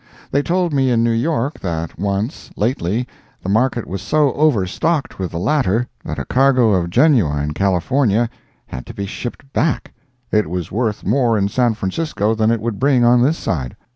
They told me in New York that once, lately, the market was so overstocked with the latter that a cargo of genuine California had to be shipped back—it was worth more in San Francisco than it would bring on this side.